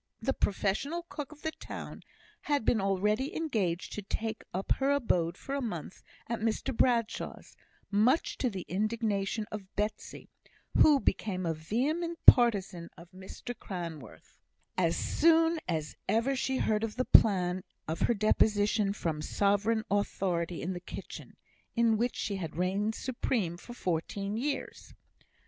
The professional cook of the town had been already engaged to take up her abode for a month at Mr Bradshaw's, much to the indignation of Betsy, who became a vehement partisan of Mr Cranworth, as soon as ever she heard of the plan of her deposition from sovereign authority in the kitchen, in which she had reigned supreme for fourteen years.